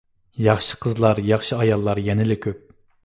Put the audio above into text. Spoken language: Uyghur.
ياخشى قىزلار، ياخشى ئاياللار يەنىلا كۆپ!